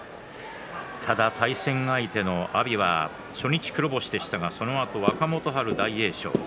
ただ対戦相手の阿炎は初日黒星でしたがそのあと若元春と大栄翔